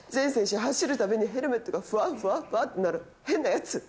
走るたびにヘルメットがふわふわってなる変なやつ。